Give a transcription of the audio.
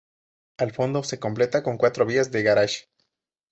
Al fondo se completa con cuatro vías de garaje.